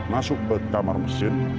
masuk ke kamar mesin